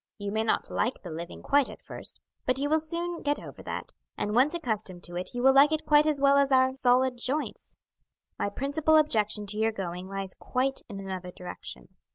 You may not like the living quite at first, but you will soon get over that, and once accustomed to it you will like it quite as well as our solid joints. My principal objection to your going lies quite in another direction.